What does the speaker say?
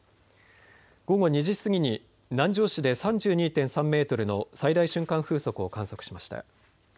午後２時過ぎに南城市で３２．３メートルの最大瞬間風速を観測しました。